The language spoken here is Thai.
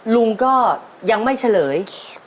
ลุงก็ยังไม่เฉลย